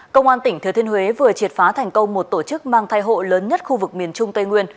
công an tỉnh thừa thiên huế vừa triệt phá thành công một tổ chức mang thai hộ lớn nhất khu vực miền trung tây nguyên